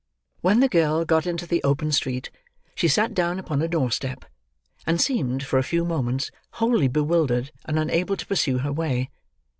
When the girl got into the open street, she sat down upon a doorstep; and seemed, for a few moments, wholly bewildered and unable to pursue her way.